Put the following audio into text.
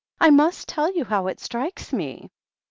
I must tell you how it strikes me.